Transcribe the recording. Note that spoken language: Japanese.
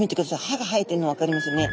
歯が生えてんの分かりますね。